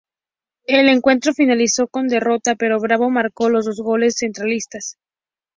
El encuentro finalizó con derrota, pero Bravo marcó los dos goles centralistas.